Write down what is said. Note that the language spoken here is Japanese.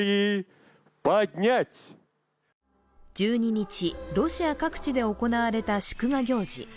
１２日、ロシア各地で行われた祝賀行事。